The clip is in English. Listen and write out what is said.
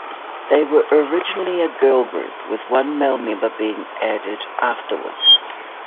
They were originally a girl group, with one male member being added afterwards.